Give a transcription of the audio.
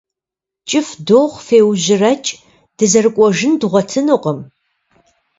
КӀыфӀ дохъу, феужьрэкӏ, дызэрыкӏуэжын дгъуэтынукъым.